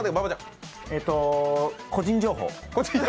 個人情報？